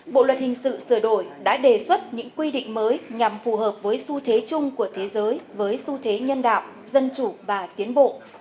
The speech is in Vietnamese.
bộ luật hình sự sửa đổi đã đề xuất những quy định mới nhằm phù hợp với xu thế chung của thế giới với xu thế nhân đạo dân chủ và tiến bộ